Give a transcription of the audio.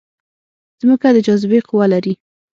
ځمکه د جاذبې قوه لري